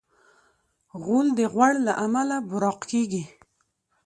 غول د غوړ له امله براق کېږي.